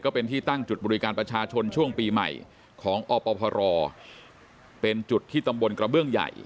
เป็นที่ตั้งจุดบริการประชาชนช่วงปีใหม่ของอพรเป็นจุดที่ตำบลกระเบื้องใหญ่